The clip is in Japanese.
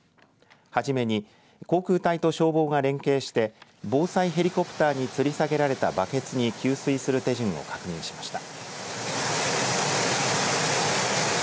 初めに航空隊と消防が連携して防災ヘリコプターにつり下げられたバケツに給水する手順を確認しました。